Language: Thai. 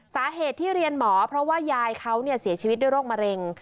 สาเหตุที่เรียนหมอเพราะว่ายายเขาเสียชีวิตด้วยโรคมะเร็ง